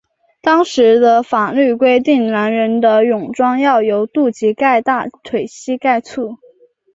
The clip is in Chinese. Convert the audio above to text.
当时的法律规定男人的泳装要由肚脐盖大腿膝盖处。